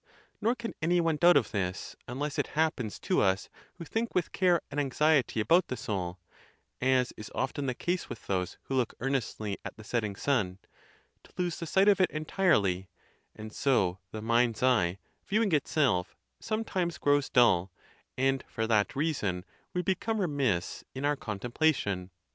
Nor can any one doubt of this, unless it happens to us who think with care and anxiety about the soul (as is often the case with those who look earnestly at the setting sun), to lose the sight of it entirely ; and so the mind's eye, viewing itself, sometimes grows dull, and for that reason we become remiss in our contemplation.